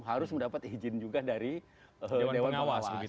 harus mendapat izin juga dari dewan pengawas